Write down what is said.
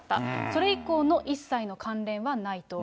それ以降の一切の関連はないと。